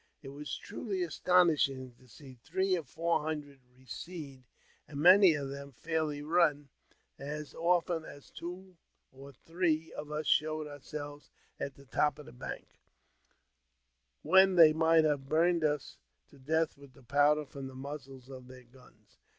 It was truly astonishing to see three or four hundred ■recede, and many of them fairly run, as often as two or three of us showed ourselves at the top of the bank, when they might ihave burned us to death with the powder from the muzzles of Ibheir guns.